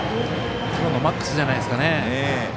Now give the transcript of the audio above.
今日のマックスじゃないですかね。